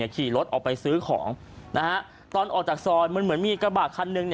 ออกไปซื้อของตอนออกจากซอยเหมือนมีกระบะคันนึง